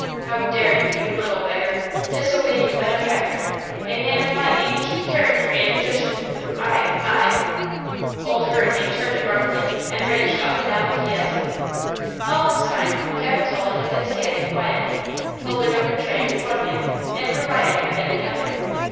How dare you, you little beggar, disobey your benefactor?–a man of my age, character, and position? I– I–" Old Hurricane turned abruptly and raged up and down the piazza. All this time, Capitola had been standing quietly, holding up her train with one hand and her riding habit in the other.